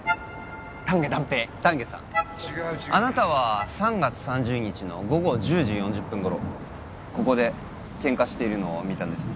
丹下段平丹下さんあなたは３月３０日の午後１０時４０分頃ここでケンカしているのを見たんですね？